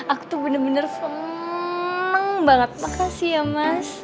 aku tuh benar benar seneng banget makasih ya mas